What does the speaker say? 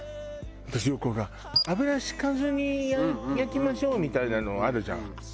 私よくほら「油敷かずに焼きましょう！」みたいなのあるじゃん。